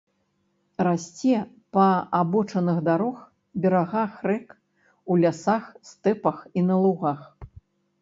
Расце па абочынах дарог, берагах рэк, у лясах, стэпах і на лугах.